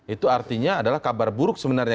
itu artinya adalah kabar buruk sebenarnya